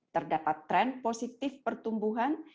terdapat tren positif pertumbuhan